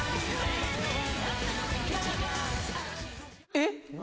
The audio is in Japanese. えっ？